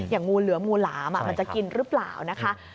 งูเหลือมงูหลามมันจะกินหรือเปล่านะคะ